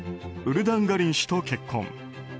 ウルダンガリン氏と結婚。